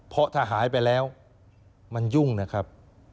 เพราะถ้าหายไปแล้วมันยุ่งนะครับ